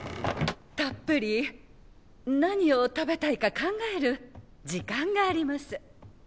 たっぷり何を食べたいか考える時間があります。